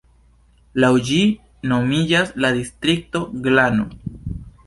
Laŭ ĝi nomiĝas la distrikto Glano.